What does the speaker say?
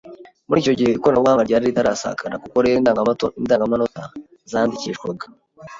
Muri icyo gihe ikoranabuhanga ryari ritarasakara kuko rero indangamanota zandikishwaga